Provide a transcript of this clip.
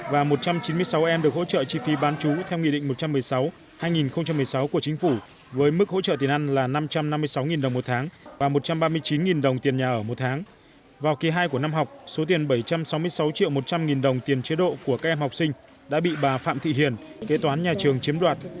vào kỳ hai của năm học số tiền bảy trăm sáu mươi sáu triệu một trăm linh nghìn đồng tiền chế độ của các em học sinh đã bị bà phạm thị hiền kế toán nhà trường chiếm đoạt